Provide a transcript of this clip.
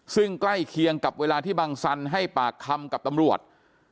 ซึ่งใกล้เคียงกับเวลาที่บังสันให้ปากคำกับตำรวจ